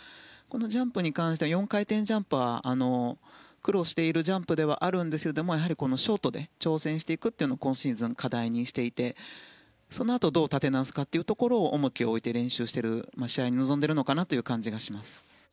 ジャンプに関しては４回転ジャンプは苦労しているジャンプではあるんですがショートで挑戦していくのは今シーズンの課題にしていてそのあと、どう立て直すかに重きを置いて練習して試合に臨んでいる感じがします。